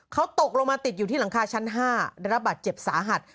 เขาตกลงมาติดอยู่ที่หลังคาชั้น๕ได้รับบาดเจ็บสาหัส